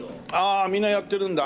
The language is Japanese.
みんなやってるんだ。